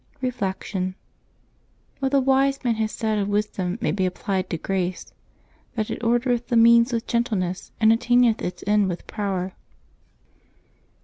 Reflection. — What the Wise Man has said of Wisdom may be applied to Grace :" That it ordereth the means with gentleness, and attaineth its end with power."